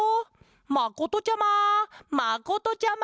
まことちゃままことちゃま！